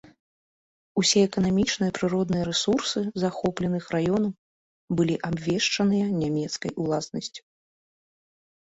Усе эканамічныя і прыродныя рэсурсы захопленых раёнаў былі абвешчаныя нямецкай уласнасцю.